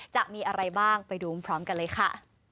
จะมีอะไรบ้างไปดูพร้อมกันเลยค่ะ